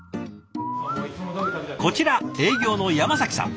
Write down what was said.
こちら営業の山さん。